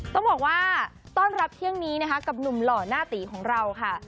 ต้องบอกว่าต้อนรับเที่ยงนี้นะคะกับหนุ่มหล่อหน้าตีของเราค่ะ